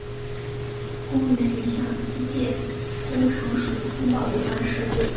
公园已向机电工程署通报有关事故。